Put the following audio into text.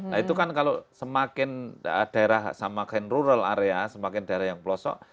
nah itu kan kalau semakin daerah semakin rural area semakin daerah yang pelosok